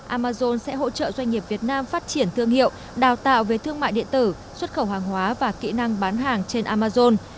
amazon sẽ hỗ trợ doanh nghiệp việt nam phát triển thương hiệu đào tạo về thương mại điện tử xuất khẩu hàng hóa và kỹ năng bán hàng trên amazon